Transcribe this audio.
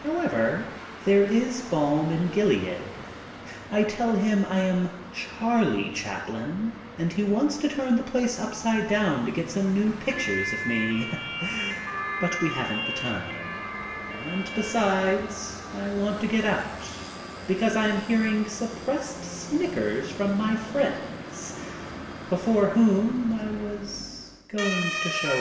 However, there is balm in Gilead. I tell him I am Charlie Chaplin and he wants to turn the place upside down to get some new pictures of me; but we haven't the time, and, besides, I want to get out, because I am hear ing suppressed snickers from my friends, before whom I was going to show